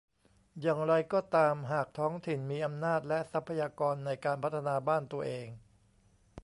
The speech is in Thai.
อย่างไรก็ตามหากท้องถิ่นมีอำนาจ และ ทรัพยากรในการพัฒนาบ้านตัวเอง